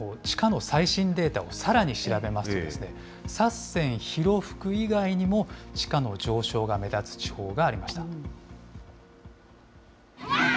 地価の最新データをさらに調べますと、札仙広福以外にも、地価の上昇が目立つ地方がありました。